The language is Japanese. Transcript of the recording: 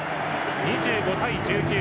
２５対１９。